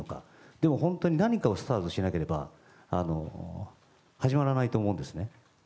でも本当に何かをスタートしなければ始まらないと思うんですね。